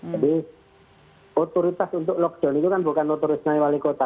jadi otoritas untuk lockdown itu kan bukan otoritasnya wali kota